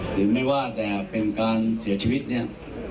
หรือไม่ว่าแต่เป็นการเสียชีวิตเนี่ย